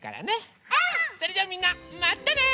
それじゃあみんなまたね！